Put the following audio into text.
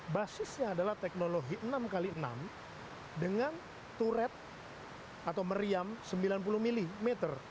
basisnya adalah teknologi enam x enam dengan to red atau meriam sembilan puluh mm